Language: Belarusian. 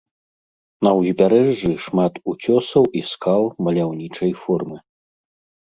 На ўзбярэжжы шмат уцёсаў і скал маляўнічай формы.